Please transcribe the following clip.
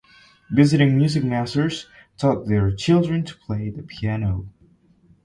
Visiting music masters taught their children to play the piano.